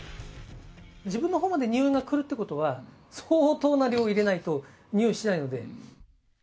自分のほうまでにおいが来るということは、相当な量入れないと、においしないので。